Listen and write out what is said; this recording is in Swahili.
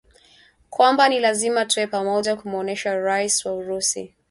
kwamba ni lazima tuwe pamoja kumuonesha Rais wa Urusi